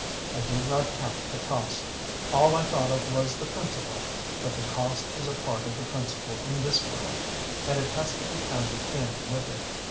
I did not count the cost. All I thought of was the principle, but the cost is a part of the principle in this world, and it has to be counted in with it.